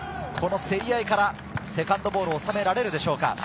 競り合いからセカンドボールを収められるでしょうか。